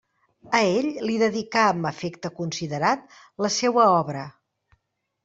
A ell li dedicà amb afecte considerat la seua obra.